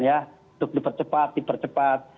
ya untuk dipercepat dipercepat